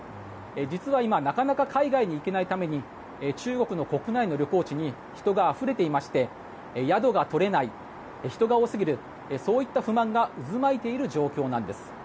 実は今、なかなか海外に行けないために中国の国内の旅行地に人があふれていまして宿が取れない、人が多すぎるそういった不満が渦巻いている状況なんです。